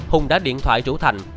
hùng đã điện thoại rủ thành